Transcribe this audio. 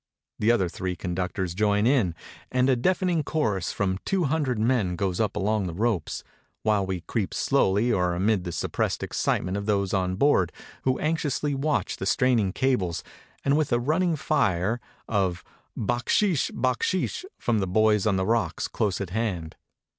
The other three 263 EGYPT conductors join in, and a deafening chorus from two hun dred men goes up along the ropes, while we creep slowly on amid the suppressed excitement of those on board who anxiously watch the straining cables, and with a running fire, of ^^ backsheesh, backsheesh,^' from the boys on the rocks close at hand.